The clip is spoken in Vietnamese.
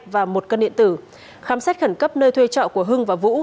và một cân điện tử khám xét khẩn cấp nơi thuê trọ của hưng và vũ